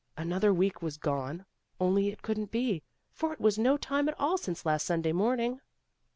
Another week was gone only it couldn't be, for it was no time at all since last Sunday morning.